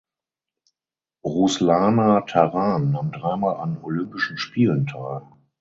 Ruslana Taran nahm dreimal an Olympischen Spielen teil.